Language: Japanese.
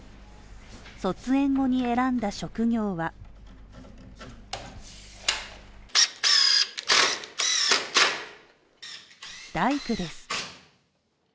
卒園後に選んだ職業は大工です。